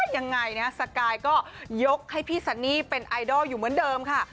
ยังไงนะสกายก็ยกให้พี่ซันนี่เป็นไอดอลอยู่เหมือนเดิมค่ะ